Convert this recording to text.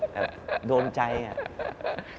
แบบโดนใจอะ